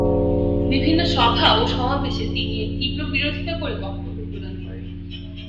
বিভিন্ন সভা ও সমাবেশে তিনি এর তীব্র বিরোধীতা করে বক্তব্য প্রদান করেন।